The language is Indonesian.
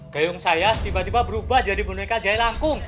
gayung saya tiba tiba berubah jadi boneka jahe langkung